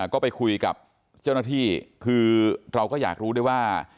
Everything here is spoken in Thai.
ก็ไปคุยกับเจ้าหน้าที่คือเราก็อยากรู้ด้วยว่า